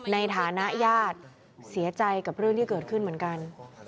ในฐานะญาติเสียใจกับเรื่องที่เกิดขึ้นเหมือนกัน